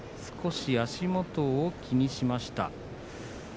少し足元を気にしました。